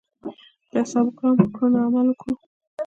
د اصحابو کرامو په کړنو عمل وکړو.